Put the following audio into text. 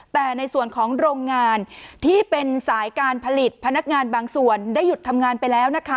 แต่ในส่วนของโรงงานที่เป็นสายการผลิตพนักงานบางส่วนได้หยุดทำงานไปแล้วนะคะ